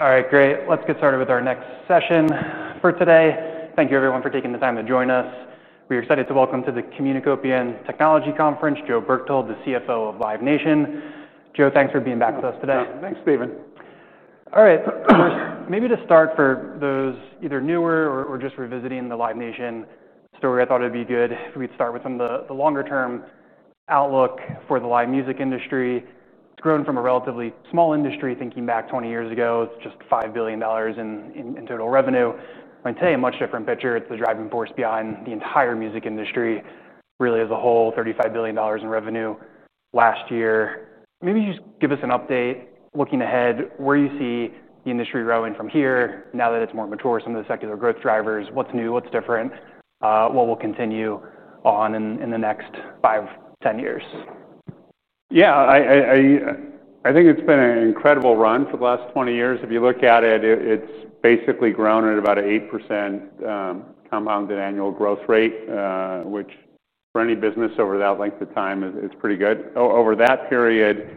All right, great. Let's get started with our next session for today. Thank you, everyone, for taking the time to join us. We're excited to welcome to the Communicopian Technology Conference, Joe Berchtold, the CFO of Live Nation Entertainment. Joe, thanks for being back with us today. Thanks, Stephen. All right. First, maybe to start for those either newer or just revisiting the Live Nation Entertainment story, I thought it'd be good if we could start with some of the longer-term outlook for the live music industry. It's grown from a relatively small industry, thinking back 20 years ago, it's just $5 billion in total revenue. I'd say a much different picture. It's the driving force behind the entire music industry, really, as a whole, $35 billion in revenue last year. Maybe you just give us an update looking ahead, where you see the industry growing from here now that it's more mature, some of the secular growth drivers, what's new, what's different, what will continue on in the next five, ten years? Yeah, I think it's been an incredible run for the last 20 years. If you look at it, it's basically grown at about an 8% compounded annual growth rate, which for any business over that length of time, it's pretty good. Over that period,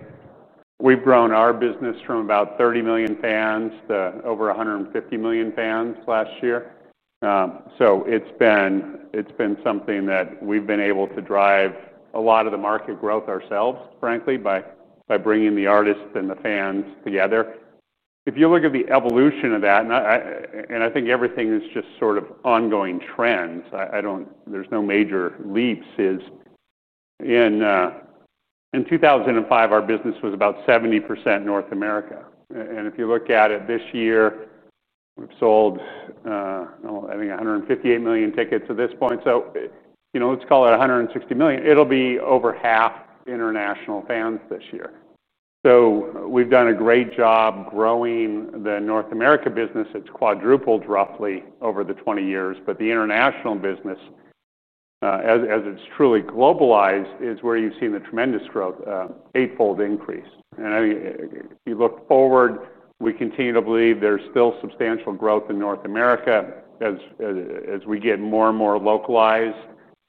we've grown our business from about 30 million fans to over 150 million fans last year. It's been something that we've been able to drive a lot of the market growth ourselves, frankly, by bringing the artists and the fans together. If you look at the evolution of that, and I think everything is just sort of ongoing trends, there's no major leaps. In 2005, our business was about 70% North America. If you look at it this year, we've sold, I think, 158 million tickets at this point. You know, let's call it 160 million. It'll be over half international fans this year. We've done a great job growing the North America business. It's quadrupled roughly over the 20 years. The international business, as it's truly globalized, is where you've seen the tremendous growth, eightfold increase. I think if you look forward, we continue to believe there's still substantial growth in North America as we get more and more localized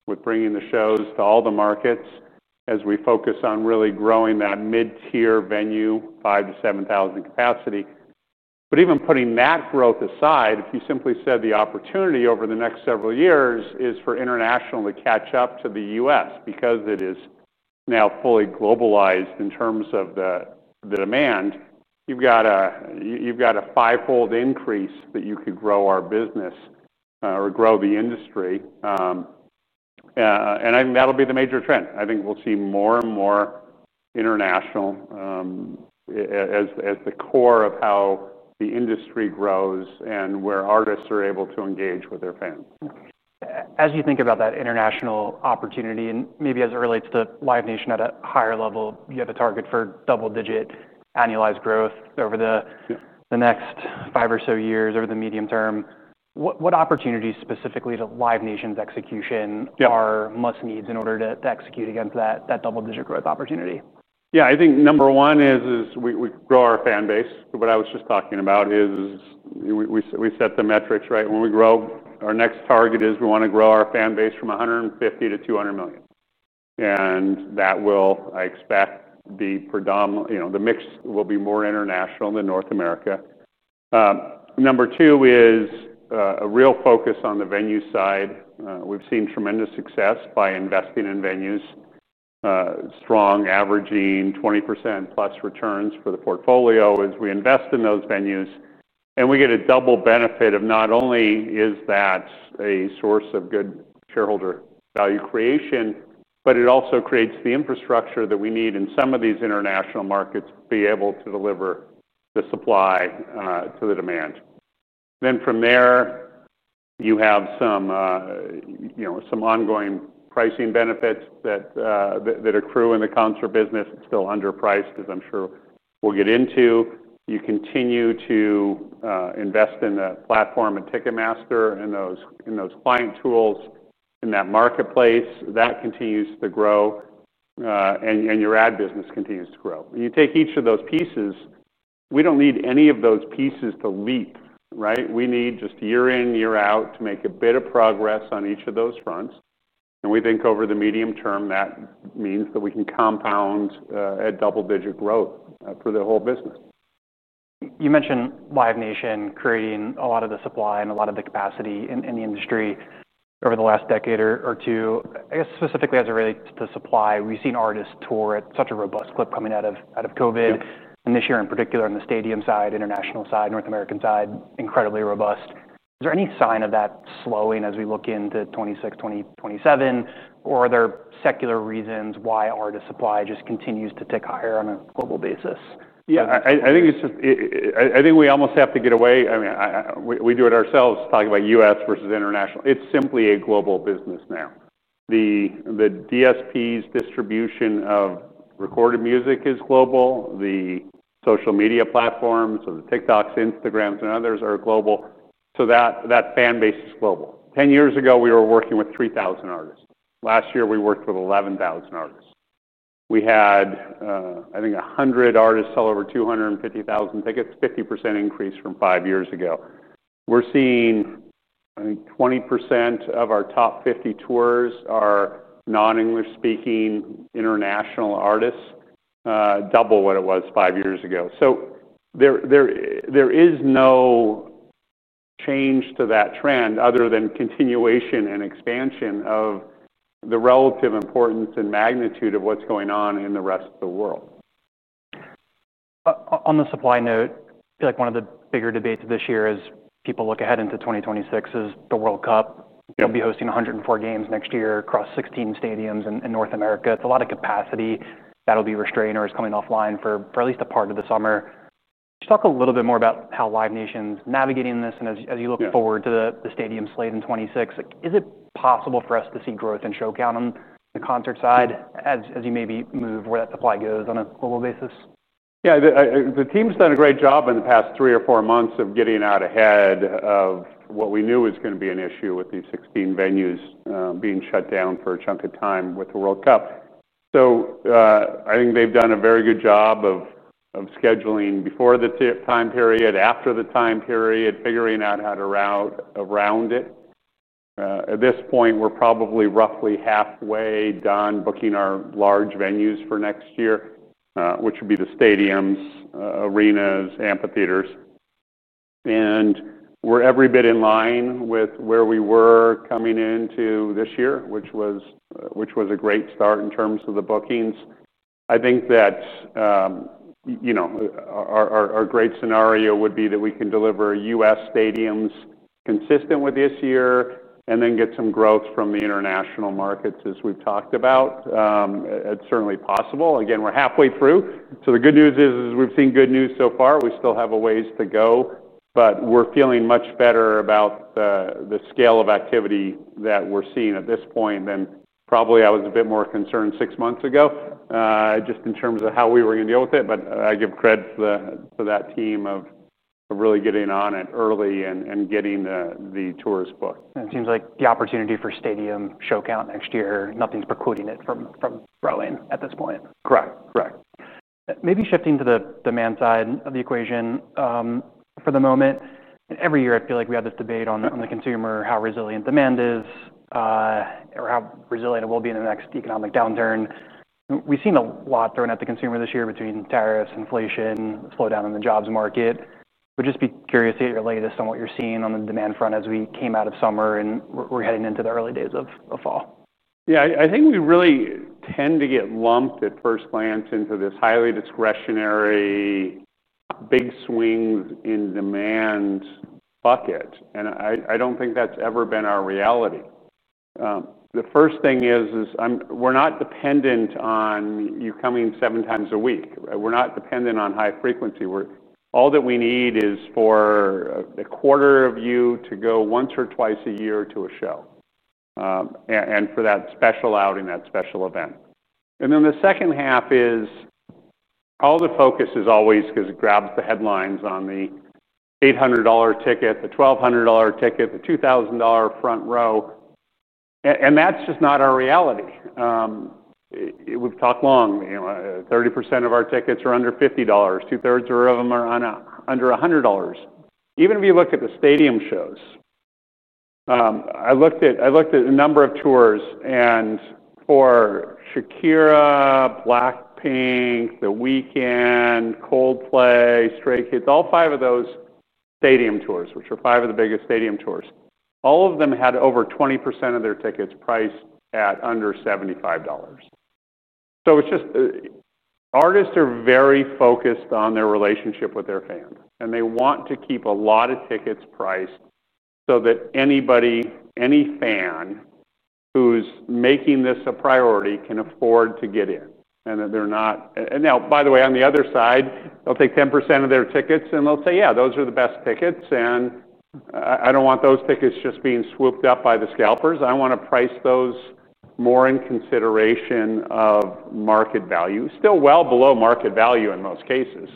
with bringing the shows to all the markets, as we focus on really growing that mid-tier venue, 5,000 to 7,000 capacity. Even putting that growth aside, if you simply said the opportunity over the next several years is for international to catch up to the U.S. because it is now fully globalized in terms of the demand, you've got a fivefold increase that you could grow our business or grow the industry. I think that'll be the major trend. I think we'll see more and more international as the core of how the industry grows and where artists are able to engage with their fans. As you think about that international opportunity and maybe as it relates to Live Nation Entertainment at a higher level, you had a target for double-digit annualized growth over the next five or so years, over the medium term. What opportunities specifically to Live Nation Entertainment's execution are must needs in order to execute against that double-digit growth opportunity? Yeah, I think number one is we grow our fan base. What I was just talking about is we set the metrics, right? When we grow, our next target is we want to grow our fan base from 150 to 200 million. I expect the mix will be more international than North America. Number two is a real focus on the venue side. We've seen tremendous success by investing in venues, strong averaging 20%+ returns for the portfolio as we invest in those venues. We get a double benefit of not only is that a source of good shareholder value creation, but it also creates the infrastructure that we need in some of these international markets to be able to deliver the supply to the demand. From there, you have some ongoing pricing benefits that accrue in the concert business. It's still underpriced, as I'm sure we'll get into. You continue to invest in the platform and Ticketmaster and those client tools in that marketplace. That continues to grow and your ad business continues to grow. When you take each of those pieces, we don't need any of those pieces to leap, right? We need just year in, year out to make a bit of progress on each of those fronts. We think over the medium term, that means that we can compound at double-digit growth for the whole business. You mentioned Live Nation creating a lot of the supply and a lot of the capacity in the industry over the last decade or two. Specifically as it relates to supply, we've seen artists tour at such a robust clip coming out of COVID. This year in particular, on the stadium side, international side, North American side, incredibly robust. Is there any sign of that slowing as we look into 2026, 2027? Are there secular reasons why artist supply just continues to tick higher on a global basis? I think we almost have to get away. I mean, we do it ourselves talking about U.S. versus international. It's simply a global business now. The DSP's distribution of recorded music is global. The social media platforms, so the TikToks, Instagrams, and others are global. That fan base is global. Ten years ago, we were working with 3,000 artists. Last year, we worked with 11,000 artists. We had, I think, 100 artists sell over 250,000 tickets, a 50% increase from five years ago. We're seeing, I think, 20% of our top 50 tours are non-English-speaking international artists, double what it was five years ago. There is no change to that trend other than continuation and expansion of the relative importance and magnitude of what's going on in the rest of the world. On the supply note, I feel like one of the bigger debates of this year as people look ahead into 2026 is the World Cup. We'll be hosting 104 games next year across 16 stadiums in North America. It's a lot of capacity. That'll be restrainers coming offline for at least a part of the summer. Could you talk a little bit more about how Live Nation's navigating this? As you look forward to the stadium slate in 2026, is it possible for us to see growth in show count on the concert side as you maybe move where that supply goes on a global basis? Yeah, the team's done a great job in the past three or four months of getting out ahead of what we knew was going to be an issue with these 16 venues being shut down for a chunk of time with the World Cup. I think they've done a very good job of scheduling before the time period, after the time period, figuring out how to route around it. At this point, we're probably roughly halfway done booking our large venues for next year, which would be the stadiums, arenas, amphitheaters. We're every bit in line with where we were coming into this year, which was a great start in terms of the bookings. I think that our great scenario would be that we can deliver U.S. stadiums consistent with this year and then get some growth from the international markets as we've talked about. It's certainly possible. We're halfway through. The good news is we've seen good news so far. We still have a ways to go, but we're feeling much better about the scale of activity that we're seeing at this point than probably I was a bit more concerned six months ago, just in terms of how we were going to deal with it. I give credit to that team of really getting on it early and getting the tours booked. It seems like the opportunity for stadium show count next year, nothing's precluding it from growing at this point. Correct, correct. Maybe shifting to the demand side of the equation for the moment. Every year, I feel like we have this debate on the consumer, how resilient demand is or how resilient it will be in the next economic downturn. We've seen a lot thrown at the consumer this year between tariffs, inflation, slowdown in the jobs market. Would just be curious to get your latest on what you're seeing on the demand front as we came out of summer and we're heading into the early days of fall. Yeah, I think we really tend to get lumped at first glance into this highly discretionary big swings in demand bucket. I don't think that's ever been our reality. The first thing is we're not dependent on you coming seven times a week. We're not dependent on high frequency. All that we need is for a quarter of you to go once or twice a year to a show and for that special outing, that special event. The second half is all the focus is always because it grabs the headlines on the $800 ticket, the $1,200 ticket, the $2,000 front row. That's just not our reality. We've talked long. 30% of our tickets are under $50. Two-thirds of them are under $100. Even if you look at the stadium shows, I looked at a number of tours and for Shakira, Blackpink, The Weeknd, Coldplay, Stray Kids, all five of those stadium tours, which are five of the biggest stadium tours, all of them had over 20% of their tickets priced at under $75. Artists are very focused on their relationship with their fans. They want to keep a lot of tickets priced so that anybody, any fan who's making this a priority can afford to get in. They're not, and now, by the way, on the other side, they'll take 10% of their tickets and they'll say, yeah, those are the best tickets. I don't want those tickets just being swooped up by the scalpers. I want to price those more in consideration of market value, still well below market value in most cases.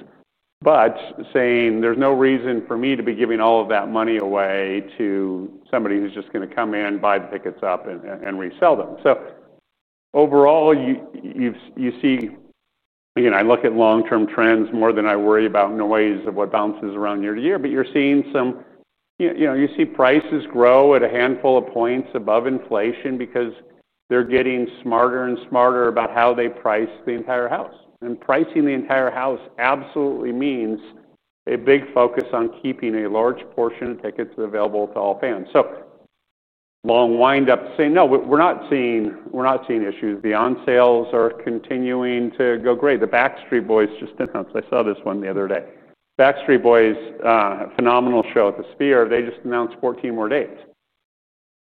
Saying there's no reason for me to be giving all of that money away to somebody who's just going to come in, buy the tickets up, and resell them. Overall, you see, again, I look at long-term trends more than I worry about noise of what bounces around year to year. You're seeing some, you know, you see prices grow at a handful of points above inflation because they're getting smarter and smarter about how they price the entire house. Pricing the entire house absolutely means a big focus on keeping a large portion of tickets available to all fans. Long wind-up to say, no, we're not seeing issues. The on-sales are continuing to go great. The Backstreet Boys just announced, I saw this one the other day. Backstreet Boys, a phenomenal show at the Sphere, they just announced 14 more days.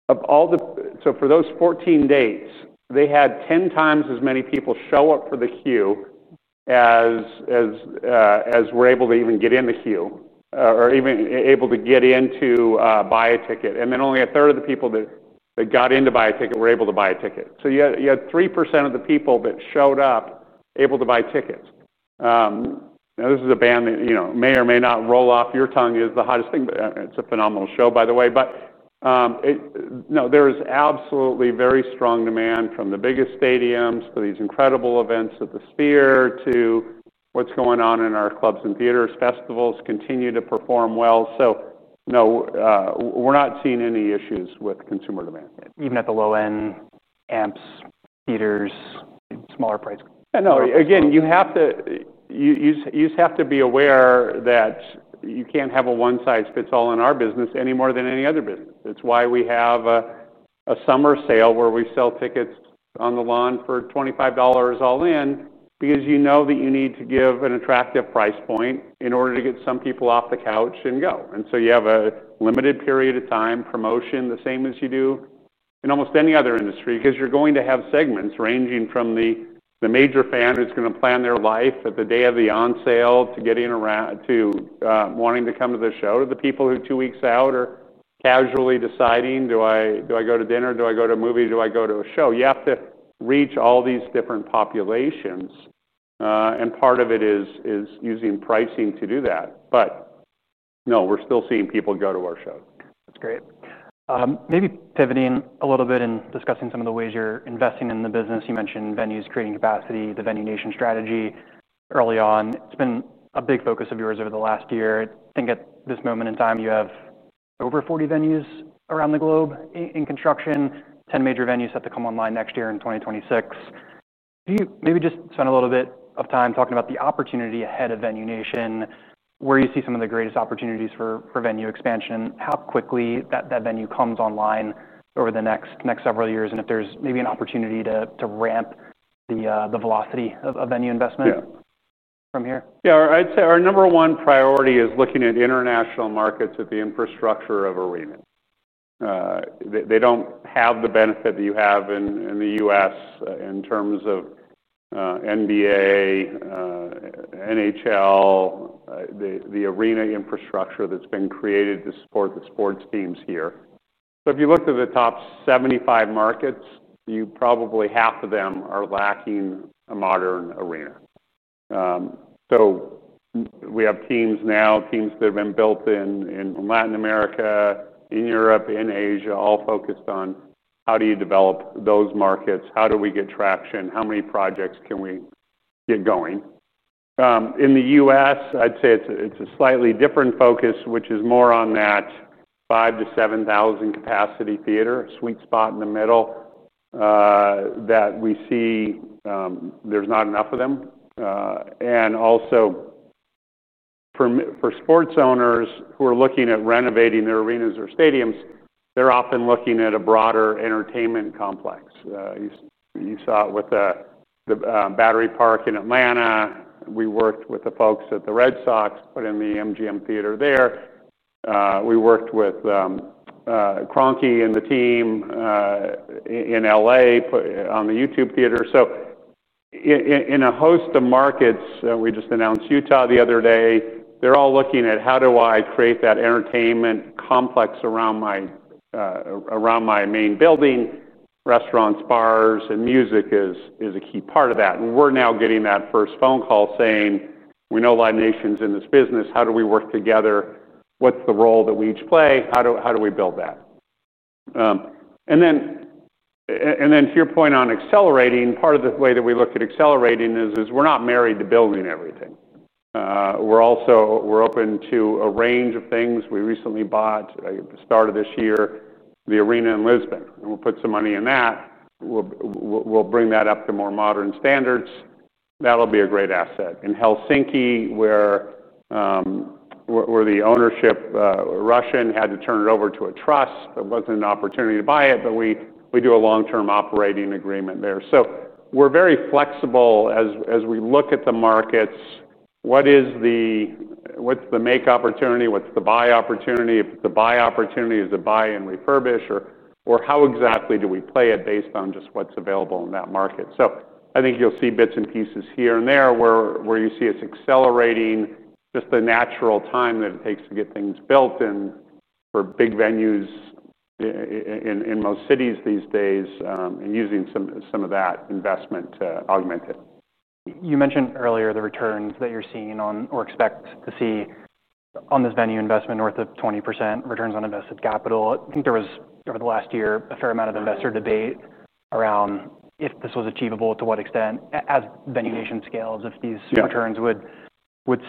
For those 14 days, they had 10 times as many people show up for the queue as were able to even get in the queue or even able to get in to buy a ticket. Only a third of the people that got in to buy a ticket were able to buy a ticket. You had 3% of the people that showed up able to buy tickets. This is a band that, you know, may or may not roll off your tongue as the hottest thing. It's a phenomenal show, by the way. There is absolutely very strong demand from the biggest stadiums to these incredible events at the Sphere to what's going on in our clubs and theaters. Festivals continue to perform well. We're not seeing any issues with consumer demand. Even at the low-end, amps, theaters, smaller price. No, again, you have to, you just have to be aware that you can't have a one-size-fits-all in our business any more than any other business. It's why we have a summer sale where we sell tickets on the lawn for $25 all in, because you know that you need to give an attractive price point in order to get some people off the couch and go. You have a limited period of time promotion the same as you do in almost any other industry, because you're going to have segments ranging from the major fan who's going to plan their life at the day of the on-sale to getting around to wanting to come to the show to the people who are two weeks out or casually deciding, do I go to dinner? Do I go to a movie? Do I go to a show? You have to reach all these different populations. Part of it is using pricing to do that. No, we're still seeing people go to our show. That's great. Maybe pivoting a little bit and discussing some of the ways you're investing in the business. You mentioned venues creating capacity, the Venue Nation strategy early on. It's been a big focus of yours over the last year. I think at this moment in time, you have over 40 venues around the globe in construction, 10 major venues set to come online next year in 2026. Maybe just spend a little bit of time talking about the opportunity ahead of Venue Nation, where you see some of the greatest opportunities for venue expansion, how quickly that venue comes online over the next several years, and if there's maybe an opportunity to ramp the velocity of venue investment from here. Yeah, I'd say our number one priority is looking at the international markets at the infrastructure of arena. They don't have the benefit that you have in the U.S. in terms of NBA, NHL, the arena infrastructure that's been created to support the sports teams here. If you look at the top 75 markets, probably half of them are lacking a modern arena. We have teams now, teams that have been built in Latin America, in Europe, in Asia, all focused on how do you develop those markets? How do we get traction? How many projects can we get going? In the U.S., I'd say it's a slightly different focus, which is more on that 5,000 to 7,000 capacity theater, sweet spot in the middle that we see. There's not enough of them. Also, for sports owners who are looking at renovating their arenas or stadiums, they're often looking at a broader entertainment complex. You saw it with the Battery Park in Atlanta. We worked with the folks at the Red Sox, put in the MGM Theater there. We worked with Kroenke and the team in L.A., put on the YouTube Theater. In a host of markets, we just announced Utah the other day. They're all looking at how do I create that entertainment complex around my main building. Restaurants, bars, and music is a key part of that. We're now getting that first phone call saying, we know Live Nation's in this business. How do we work together? What's the role that we each play? How do we build that? To your point on accelerating, part of the way that we look at accelerating is we're not married to building everything. We're also open to a range of things. We recently bought, at the start of this year, the arena in Lisbon. We'll put some money in that. We'll bring that up to more modern standards. That'll be a great asset. In Helsinki, where the ownership, Russian, had to turn it over to a trust, there wasn't an opportunity to buy it, but we do a long-term operating agreement there. We're very flexible as we look at the markets. What's the make opportunity? What's the buy opportunity? If it's a buy opportunity, is it buy and refurbish? Or how exactly do we play it based on just what's available in that market? I think you'll see bits and pieces here and there where you see us accelerating just the natural time that it takes to get things built in for big venues in most cities these days and using some of that investment to augment it. You mentioned earlier the returns that you're seeing on or expect to see on this venue investment, north of 20% returns on invested capital. I think there was, over the last year, a fair amount of investor debate around if this was achievable, to what extent, as Venue Nation scales, if these returns would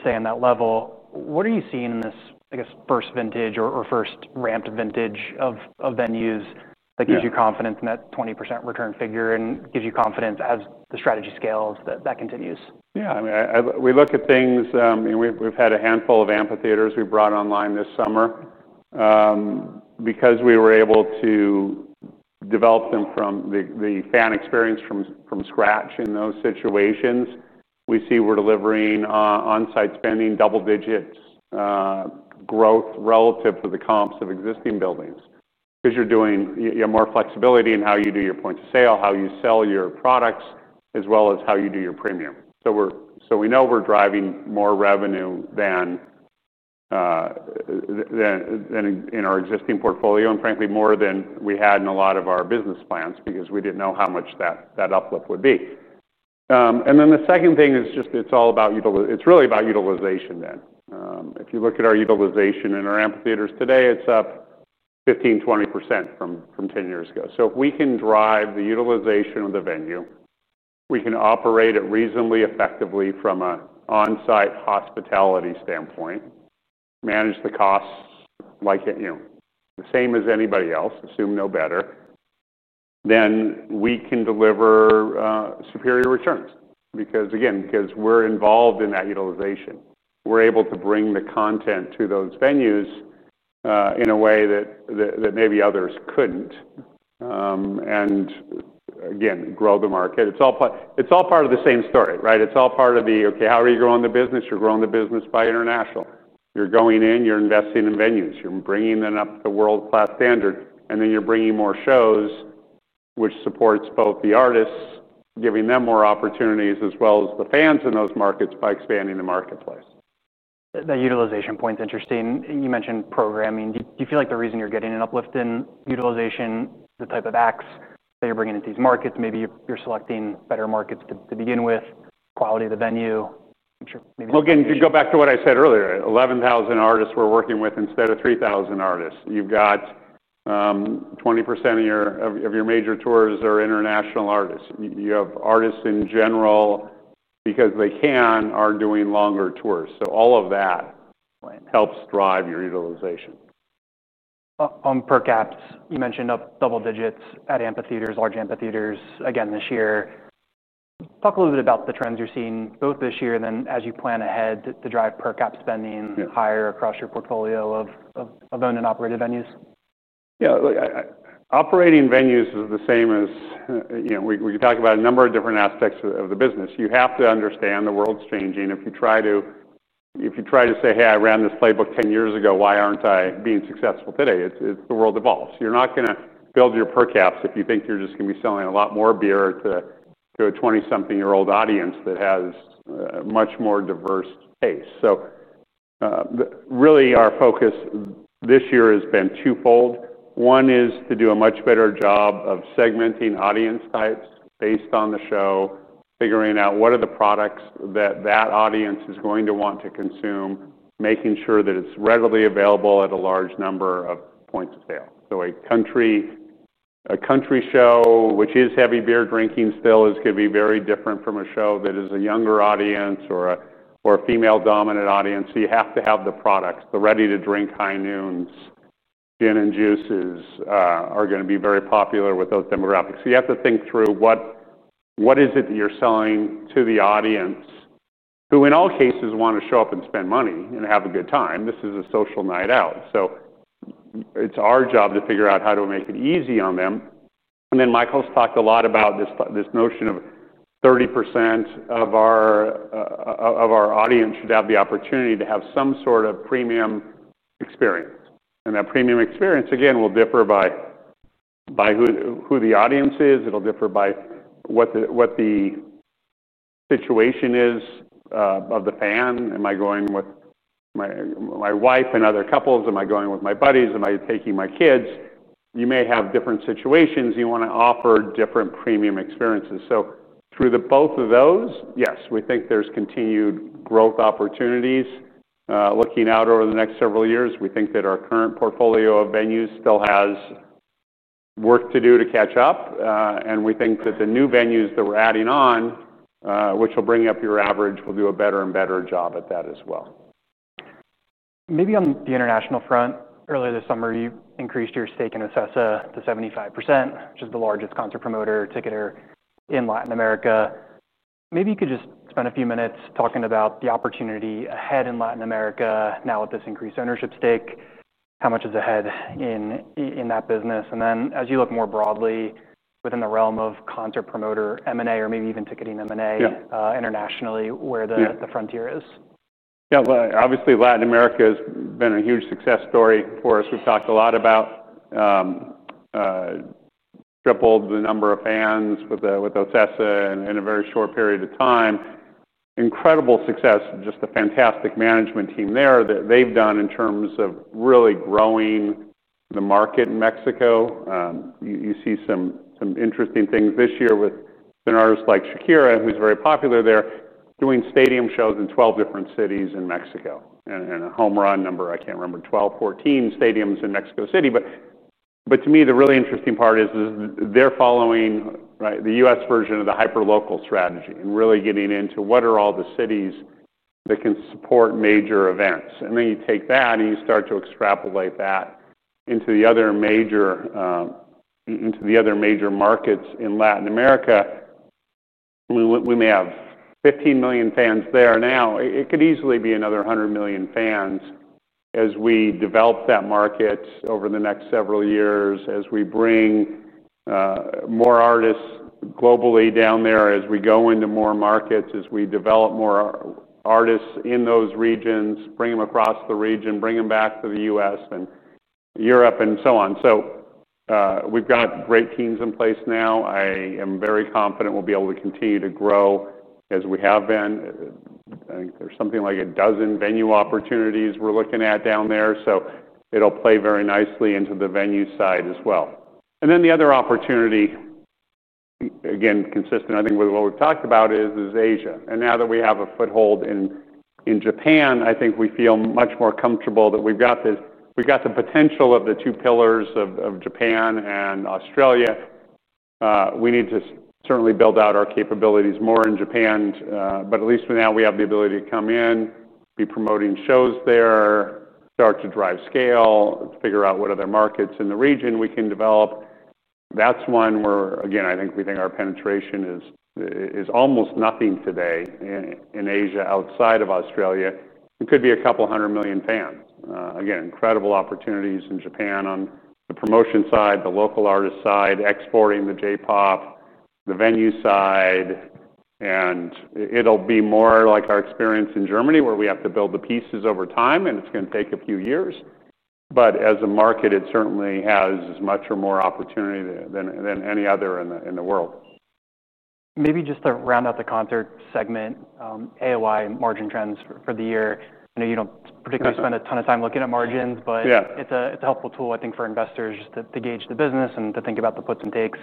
stay on that level. What are you seeing in this, I guess, first vintage or first ramped vintage of venues that gives you confidence in that 20% return figure and gives you confidence as the strategy scales that continues? Yeah, I mean, we look at things. We've had a handful of amphitheaters we brought online this summer. Because we were able to develop them from the fan experience from scratch in those situations, we see we're delivering on-site spending double-digit growth relative to the comps of existing buildings. Because you're doing, you have more flexibility in how you do your point of sale, how you sell your products, as well as how you do your premium. We know we're driving more revenue than in our existing portfolio and frankly more than we had in a lot of our business plans because we didn't know how much that uplift would be. The second thing is just it's all about, it's really about utilization then. If you look at our utilization in our amphitheaters today, it's up 15%, 20% from 10 years ago. If we can drive the utilization of the venue, we can operate it reasonably effectively from an on-site hospitality standpoint, manage the costs like it, you know, the same as anybody else, assume no better, then we can deliver superior returns. Because again, because we're involved in that utilization, we're able to bring the content to those venues in a way that maybe others couldn't. Again, grow the market. It's all part of the same story, right? It's all part of the, okay, how are you growing the business? You're growing the business by international. You're going in, you're investing in venues, you're bringing them up to world-class standards, and then you're bringing more shows, which supports both the artists, giving them more opportunities, as well as the fans in those markets by expanding the marketplace. That utilization point's interesting. You mentioned programming. Do you feel like the reason you're getting an uplift in utilization is the type of acts that you're bringing into these markets, maybe you're selecting better markets to begin with, quality of the venue? You can go back to what I said earlier. 11,000 artists we're working with instead of 3,000 artists. You've got 20% of your major tours are international artists. You have artists in general, because they can, are doing longer tours. All of that helps drive your utilization. On per-capita spending, you mentioned double digits at amphitheaters, large amphitheaters again this year. Talk a little bit about the trends you're seeing both this year and then as you plan ahead to drive per-capita spending higher across your portfolio of owned and operated venues. Yeah, look, operating venues is the same as, you know, we can talk about a number of different aspects of the business. You have to understand the world's changing. If you try to say, hey, I ran this playbook 10 years ago, why aren't I being successful today? The world evolves. You're not going to build your per caps if you think you're just going to be selling a lot more beer to a 20-something-year-old audience that has a much more diverse base. Really, our focus this year has been twofold. One is to do a much better job of segmenting audience types based on the show, figuring out what are the products that that audience is going to want to consume, making sure that it's readily available at a large number of points of sale. A country show, which is heavy beer drinking still, is going to be very different from a show that is a younger audience or a female-dominant audience. You have to have the products, the ready-to-drink High Noons, gin and juices are going to be very popular with those demographics. You have to think through what is it that you're selling to the audience who, in all cases, want to show up and spend money and have a good time. This is a social night out. It's our job to figure out how to make it easy on them. Michael's talked a lot about this notion of 30% of our audience should have the opportunity to have some sort of premium experience. That premium experience, again, will differ by who the audience is. It'll differ by what the situation is of the fan. Am I going with my wife and other couples? Am I going with my buddies? Am I taking my kids? You may have different situations. You want to offer different premium experiences. Through both of those, yes, we think there's continued growth opportunities. Looking out over the next several years, we think that our current portfolio of venues still has work to do to catch up. We think that the new venues that we're adding on, which will bring up your average, will do a better and better job at that as well. Maybe on the international front, earlier this summer, you increased your stake in OCESA to 75%, which is the largest concert promoter, ticketer, in Latin America. Maybe you could just spend a few minutes talking about the opportunity ahead in Latin America now with this increased ownership stake. How much is ahead in that business? As you look more broadly within the realm of concert promoter M&A or maybe even ticketing M&A internationally, where the frontier is? Yeah, obviously Latin America has been a huge success story for us. We've talked a lot about triple the number of fans with OCESA in a very short period of time. Incredible success, just a fantastic management team there that they've done in terms of really growing the market in Mexico. You see some interesting things this year with an artist like Shakira, who's very popular there, doing stadium shows in 12 different cities in Mexico. A home run number, I can't remember, 12, 14 stadiums in Mexico City. To me, the really interesting part is they're following the U.S. version of the hyperlocal strategy and really getting into what are all the cities that can support major events. You take that and you start to extrapolate that into the other major markets in Latin America. We may have 15 million fans there now. It could easily be another 100 million fans as we develop that market over the next several years, as we bring more artists globally down there, as we go into more markets, as we develop more artists in those regions, bring them across the region, bring them back to the U.S. and Europe and so on. We've got great teams in place now. I am very confident we'll be able to continue to grow as we have been. I think there's something like a dozen venue opportunities we're looking at down there. It'll play very nicely into the venue side as well. The other opportunity, again, consistent, I think, with what we've talked about is Asia. Now that we have a foothold in Japan, I think we feel much more comfortable that we've got the potential of the two pillars of Japan and Australia. We need to certainly build out our capabilities more in Japan. At least for now, we have the ability to come in, be promoting shows there, start to drive scale, figure out what other markets in the region we can develop. That's one where, again, I think we think our penetration is almost nothing today in Asia outside of Australia. It could be a couple hundred million fans. Again, incredible opportunities in Japan on the promotion side, the local artist side, exporting the J-pop, the venue side. It'll be more like our experience in Germany, where we have to build the pieces over time, and it's going to take a few years. As a market, it certainly has as much or more opportunity than any other in the world. Maybe just to round out the concert segment, AOI and margin trends for the year. I know you don't particularly spend a ton of time looking at margins, but it's a helpful tool, I think, for investors just to gauge the business and to think about the puts and takes.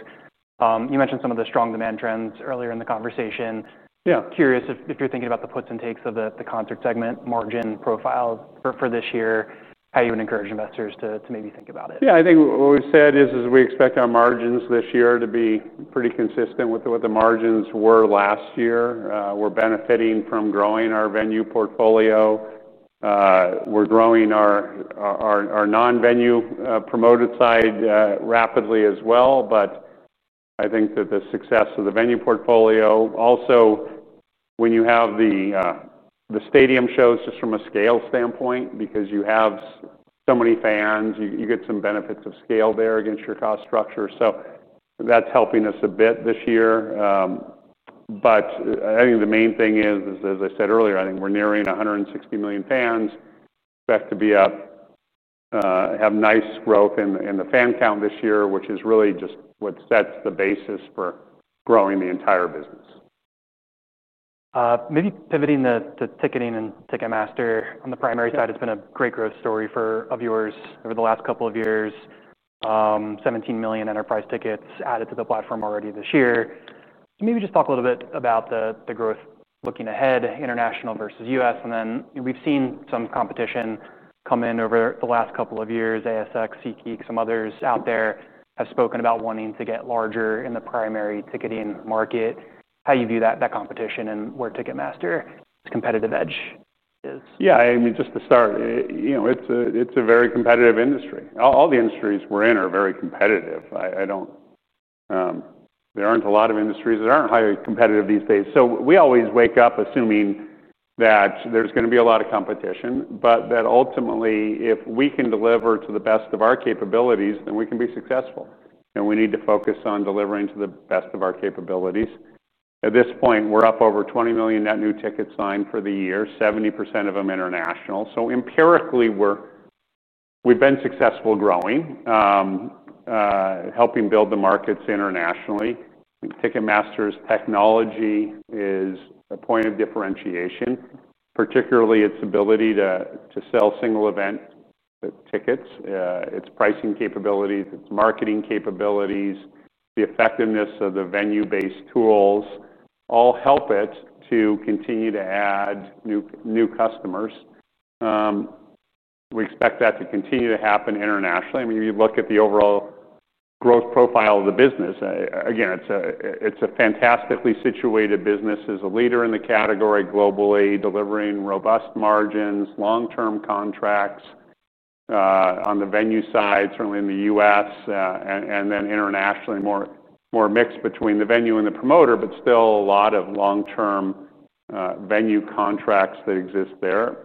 You mentioned some of the strong demand trends earlier in the conversation. Yeah, curious if you're thinking about the puts and takes of the concert segment margin profile for this year, how you would encourage investors to maybe think about it. Yeah, I think what we've said is we expect our margins this year to be pretty consistent with what the margins were last year. We're benefiting from growing our venue portfolio. We're growing our non-venue promoted side rapidly as well. I think that the success of the venue portfolio, also when you have the stadium shows, just from a scale standpoint, because you have so many fans, you get some benefits of scale there against your cost structure. That's helping us a bit this year. I think the main thing is, as I said earlier, I think we're nearing 160 million fans. Expect to be up, have nice growth in the fan count this year, which is really just what sets the basis for growing the entire business. Maybe pivoting to ticketing and Ticketmaster on the primary side, it's been a great growth story for viewers over the last couple of years. $17 million enterprise tickets added to the platform already this year. Maybe just talk a little bit about the growth looking ahead, international versus U.S. We've seen some competition come in over the last couple of years. ASX, SeatGeek, some others out there have spoken about wanting to get larger in the primary ticketing market. How do you view that competition and where Ticketmaster's competitive edge is? Yeah, I mean, just to start, it's a very competitive industry. All the industries we're in are very competitive. There aren't a lot of industries that aren't highly competitive these days. We always wake up assuming that there's going to be a lot of competition, but that ultimately, if we can deliver to the best of our capabilities, then we can be successful. We need to focus on delivering to the best of our capabilities. At this point, we're up over 20 million net new tickets signed for the year, 70% of them international. Empirically, we've been successful growing, helping build the markets internationally. Ticketmaster's technology is a point of differentiation, particularly its ability to sell single-event tickets, its pricing capabilities, its marketing capabilities, the effectiveness of the venue-based tools, all help it to continue to add new customers. We expect that to continue to happen internationally. You look at the overall growth profile of the business. Again, it's a fantastically situated business as a leader in the category globally, delivering robust margins, long-term contracts on the venue side, certainly in the U.S., and then internationally, more mix between the venue and the promoter, but still a lot of long-term venue contracts that exist there.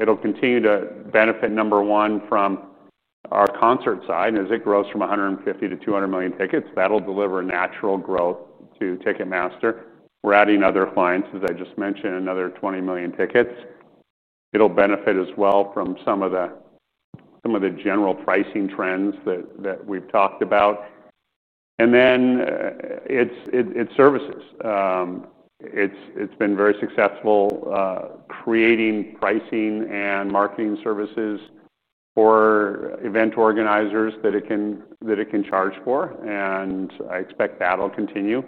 It'll continue to benefit, number one, from our concert side. As it grows from 150 to 200 million tickets, that'll deliver natural growth to Ticketmaster. We're adding other clients, as I just mentioned, another 20 million tickets. It'll benefit as well from some of the general pricing trends that we've talked about. Its services have been very successful creating pricing and marketing services for event organizers that it can charge for. I expect that'll continue.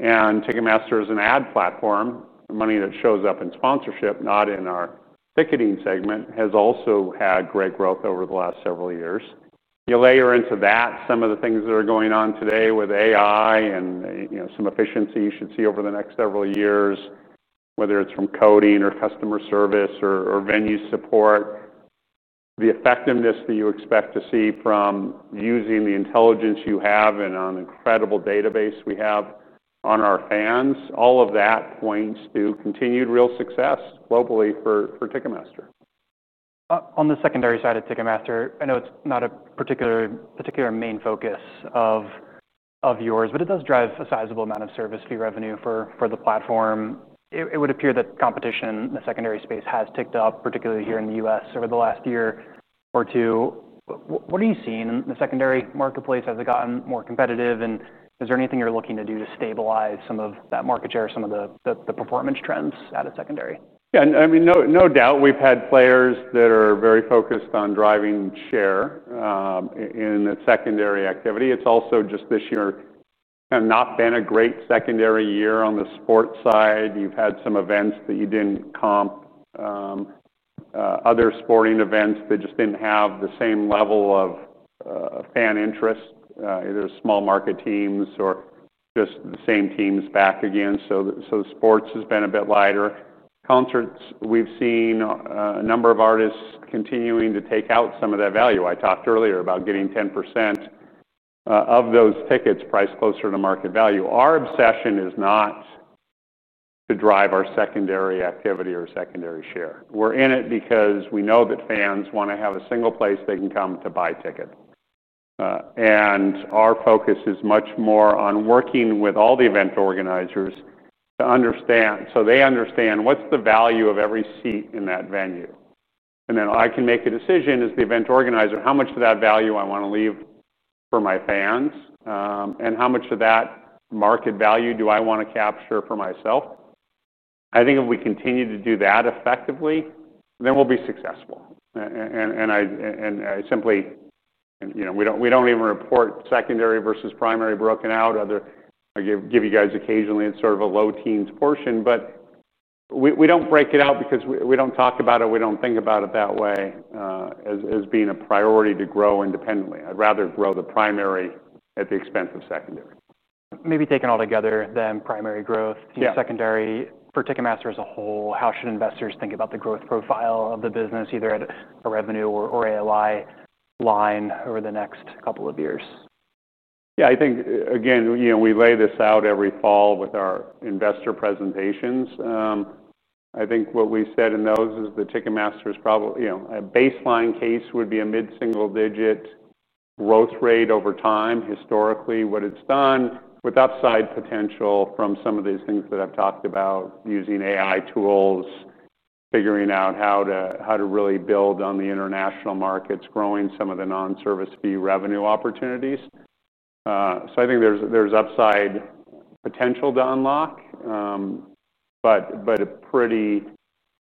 Ticketmaster is an ad platform. Money that shows up in sponsorship, not in our ticketing segment, has also had great growth over the last several years. You layer into that some of the things that are going on today with AI and some efficiency you should see over the next several years, whether it's from coding or customer service or venue support. The effectiveness that you expect to see from using the intelligence you have and on the incredible database we have on our fans, all of that points to continued real success globally for Ticketmaster. On the secondary side of Ticketmaster, I know it's not a particular main focus of yours, but it does drive a sizable amount of service fee revenue for the platform. It would appear that competition in the secondary space has ticked up, particularly here in the U.S. over the last year or two. What are you seeing in the secondary marketplace? Has it gotten more competitive? Is there anything you're looking to do to stabilize some of that market share, some of the performance trends at a secondary? Yeah, I mean, no doubt we've had players that are very focused on driving share in the secondary activity. It's also just this year kind of not been a great secondary year on the sports side. You've had some events that you didn't comp, other sporting events that just didn't have the same level of fan interest, either small market teams or just the same teams back again. The sports has been a bit lighter. Concerts, we've seen a number of artists continuing to take out some of that value. I talked earlier about getting 10% of those tickets priced closer to market value. Our obsession is not to drive our secondary activity or secondary share. We're in it because we know that fans want to have a single place they can come to buy tickets. Our focus is much more on working with all the event organizers to understand, so they understand what's the value of every seat in that venue. Then I can make a decision as the event organizer how much of that value I want to leave for my fans and how much of that market value do I want to capture for myself. I think if we continue to do that effectively, then we'll be successful. I simply, you know, we don't even report secondary versus primary broken out. I give you guys occasionally sort of a low teens portion, but we don't break it out because we don't talk about it. We don't think about it that way as being a priority to grow independently. I'd rather grow the primary at the expense of secondary. Maybe taken all together, then primary growth, secondary for Ticketmaster as a whole, how should investors think about the growth profile of the business, either at a revenue or AOI line over the next couple of years? Yeah, I think, again, we lay this out every fall with our investor presentations. I think what we said in those is that Ticketmaster's probably, you know, a baseline case would be a mid-single-digit growth rate over time, historically what it's done with upside potential from some of these things that I've talked about, using AI tools, figuring out how to really build on the international markets, growing some of the non-service fee revenue opportunities. I think there's upside potential to unlock, but a pretty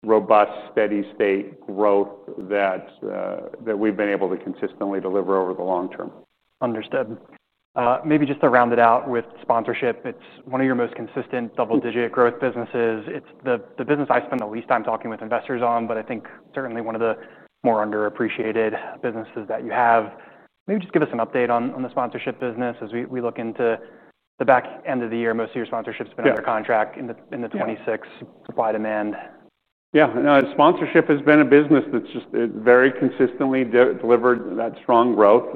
robust, steady-state growth that we've been able to consistently deliver over the long term. Understood. Maybe just to round it out with sponsorship, it's one of your most consistent double-digit growth businesses. It's the business I spend the least time talking with investors on, but I think certainly one of the more underappreciated businesses that you have. Maybe just give us an update on the sponsorship business as we look into the back end of the year. Most of your sponsorships have been under contract in the 2026 supply demand. Yeah, sponsorship has been a business that's just very consistently delivered that strong growth.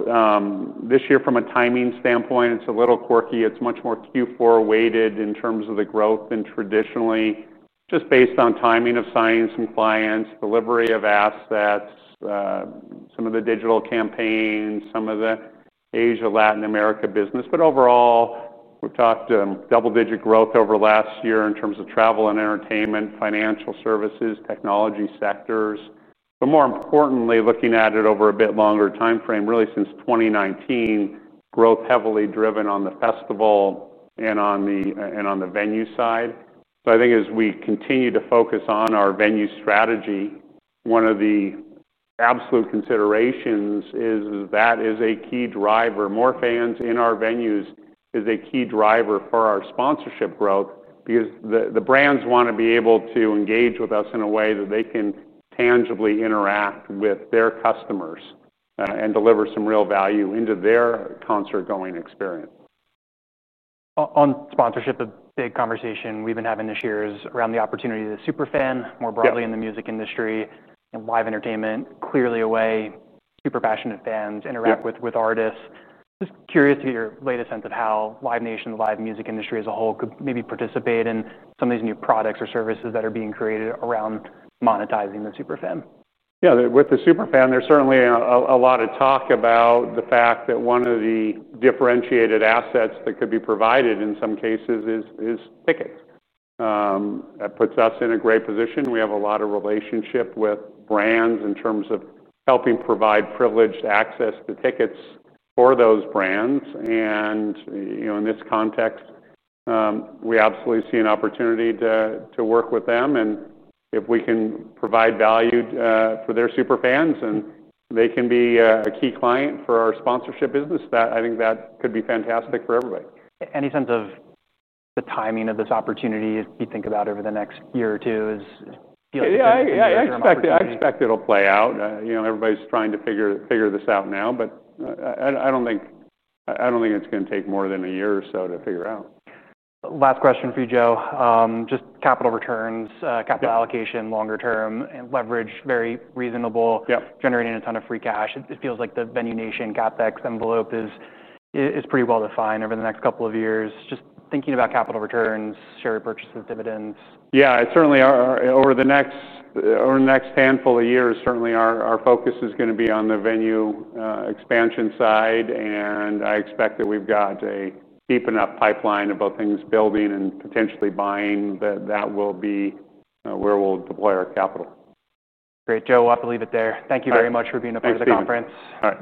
This year, from a timing standpoint, it's a little quirky. It's much more Q4 weighted in terms of the growth than traditionally, just based on timing of signing some clients, delivery of assets, some of the digital campaigns, some of the Asia-Latin America business. Overall, we've talked double-digit growth over the last year in terms of travel and entertainment, financial services, technology sectors. More importantly, looking at it over a bit longer timeframe, really since 2019, growth heavily driven on the festival and on the venue side. I think as we continue to focus on our venue strategy, one of the absolute considerations is that is a key driver. More fans in our venues is a key driver for our sponsorship growth because the brands want to be able to engage with us in a way that they can tangibly interact with their customers and deliver some real value into their concert-going experience. On sponsorship, the big conversation we've been having this year is around the opportunity to super fan more broadly in the music industry and live entertainment. Clearly, a way super passionate fans interact with artists. Just curious to get your latest sense of how Live Nation, the live music industry as a whole, could maybe participate in some of these new products or services that are being created around monetizing the super fan. Yeah, with the super fan, there's certainly a lot of talk about the fact that one of the differentiated assets that could be provided in some cases is tickets. That puts us in a great position. We have a lot of relationship with brands in terms of helping provide privileged access to tickets for those brands. In this context, we absolutely see an opportunity to work with them. If we can provide value for their super fans and they can be a key client for our sponsorship business, I think that could be fantastic for everybody. Any sense of the timing of this opportunity if we think about it over the next year or two? Yeah, I expect it'll play out. Everybody's trying to figure this out now, but I don't think it's going to take more than a year or so to figure out. Last question for you, Joe. Just capital returns, capital allocation, longer term, leverage, very reasonable, generating a ton of free cash. It feels like the Venue Nation CapEx envelope is pretty well defined over the next couple of years. Just thinking about capital returns, share purchases, dividends. Yeah, certainly over the next handful of years, certainly our focus is going to be on the venue expansion side. I expect that we've got a deep enough pipeline of both things building and potentially buying that that will be where we'll deploy our capital. Great, Joe, we'll have to leave it there. Thank you very much for being a part of the conference. All right.